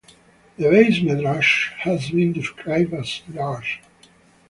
The "bais medrash" has been described as "large".